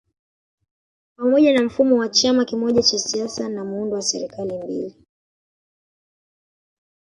Pamoja na mfumo wa chama kimoja cha siasa na muundo wa serikali mbili